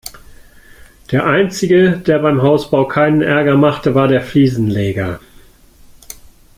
Der einzige, der beim Hausbau keinen Ärger machte, war der Fliesenleger.